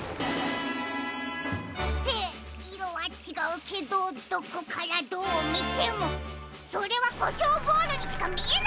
っていろはちがうけどどこからどうみてもそれはコショウボールにしかみえないじゃないですか！